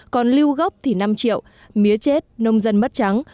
còn lưu gốc thì năm triệu mía chết nông dân mất trắng